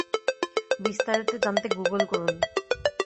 বিস্তারিত জানতে গুগল করুন।